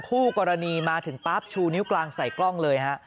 คู่กรณีมาถึงปั๊บชูนิ้วกลางใส่กล้องเลยฮะ